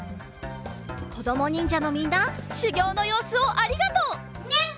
こどもにんじゃのみんなしゅぎょうのようすをありがとう！ニン！